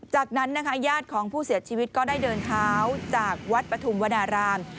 จากนั้นนะคะญาติของผู้เสียชีวิตก็ได้เดินเท้าจากวัดปฐุมวนาราม